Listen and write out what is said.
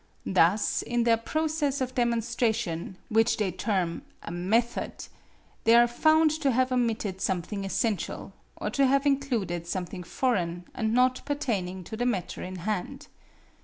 Thus in their process of demonstration which they term a "method," they are found to have omitted something essential, or to have included something foreign and not pertaining to the matter in hand.